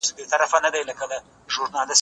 ته ولي چای څښې.